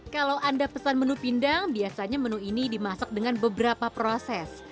kalau anda pesan menu pindang biasanya menu ini dimasak dengan beberapa proses